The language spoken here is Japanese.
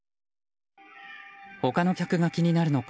他の客が気になるのか